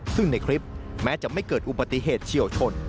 ซึ่งในคลิปแม้จะไม่เกิดอุบัติเหตุเฉียวชน